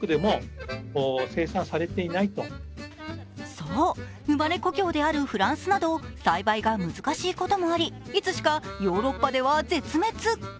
そう、生まれ故郷であるフランスなど、栽培が難しいこともありいつしかヨーロッパでは絶滅。